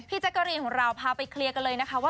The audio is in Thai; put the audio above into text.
พี่จักรีย์พอเราพาไปคลุยกันเลยนะคะ